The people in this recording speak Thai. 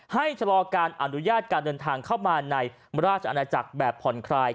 ชะลอการอนุญาตการเดินทางเข้ามาในราชอาณาจักรแบบผ่อนคลาย